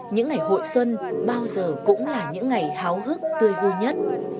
những ngày hội xuân bao giờ cũng là những ngày háo hức tươi vui nhất